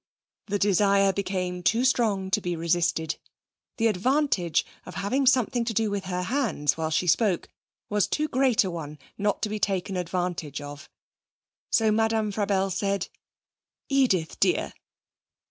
The desire became too strong to be resisted. The advantage of having something to do with her hands while she spoke was too great a one not to be taken advantage of. So Madame Frabelle said: 'Edith dear.'